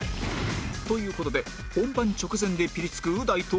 という事で本番直前でピリつくう大と合流